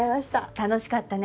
楽しかったね。